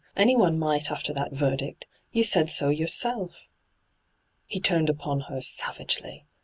Anyone might, after that verdict — you said so yourself.' He turned upon her savi^ely.